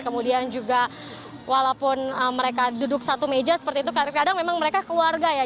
kemudian juga walaupun mereka duduk satu meja seperti itu kadang kadang memang mereka keluarga ya